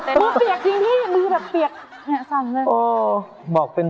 โปรดติดตามต่อไป